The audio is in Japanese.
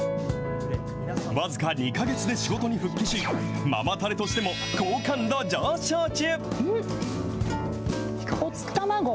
僅か２か月で仕事に復帰し、ママタレとしても好感度上昇中。